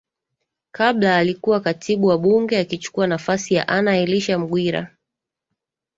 Kabla alikuwa katibu wa bunge akichukua nafasi ya Anna Elisha Mghwira